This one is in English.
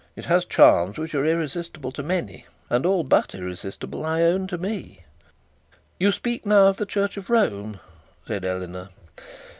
It has charms which are irresistible to many, and all but irresistible, I own, to me.' 'You speak now of the Church of Rome?' said Eleanor.